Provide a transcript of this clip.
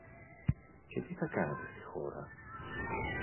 Και τι θα κάνετε στη χώρα;